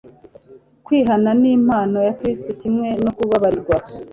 Kwihana ni impano ya Kristo kimwe no kubabarirwa.